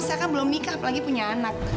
saya kan belum nikah apalagi punya anak